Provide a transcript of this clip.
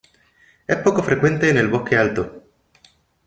Es poco frecuente en el bosque alto.